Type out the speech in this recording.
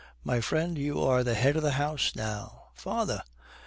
My friend, you are the head of the house now.'